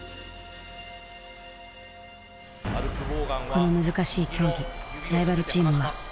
この難しい競技ライバルチームは。